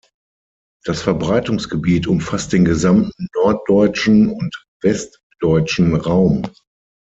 Das Verbreitungsgebiet umfasst den gesamten norddeutschen und westdeutschen Raum.